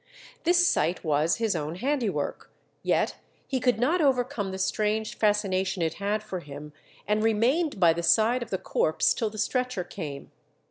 This sight was his own handiwork, yet he could not overcome the strange fascination it had for him, and remained by the side of the corpse till the stretcher came.